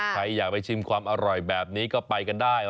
ใครอยากไปชิมความอร่อยแบบนี้ก็ไปกันได้